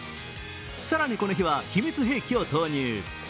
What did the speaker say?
更にこの日は、秘密兵器を投入。